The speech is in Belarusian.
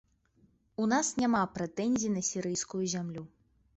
У нас няма прэтэнзій на сірыйскую зямлю.